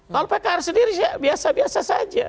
kalau pkr sendiri sih biasa biasa saja